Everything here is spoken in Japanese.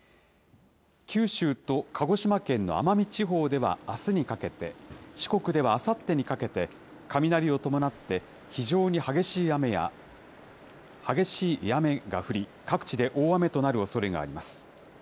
九州と鹿児島県の奄美地方では、あすにかけて、四国ではあさってにかけて、雷を伴って非常に激しい雨が降り、各地で大雨となるおそれがあります。